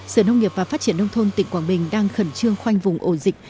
sở nông nghiệp và phát triển nông thôn tỉnh quảng bình đang khẩn trương khoanh vùng ổ dịch